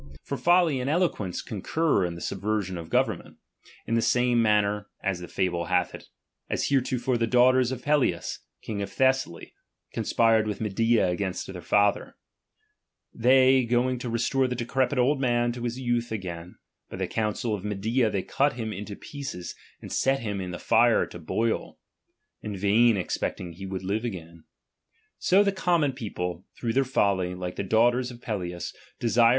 Yov folly and eloquence concur in the subversion of government, in the same manner (as the fable hath it) as heretofore the daughters of Pelias, king of Thessaly, con spired with Medea against their father. They going to restore the decrepit old man to his youth again, by the counsel of Medea they cut him into pieces, and set him in the fire to boil ; in vain ex pecting when he would live again.